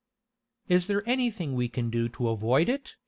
"Is there anything we can do to avoid it?"